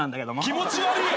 気持ち悪い！